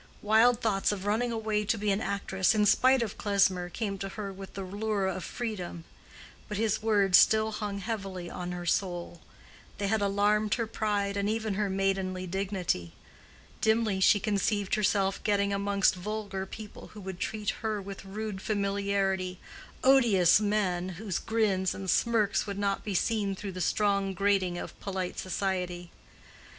Wild thoughts of running away to be an actress, in spite of Klesmer, came to her with the lure of freedom; but his words still hung heavily on her soul; they had alarmed her pride and even her maidenly dignity: dimly she conceived herself getting amongst vulgar people who would treat her with rude familiarity—odious men, whose grins and smirks would not be seen through the strong grating of polite society.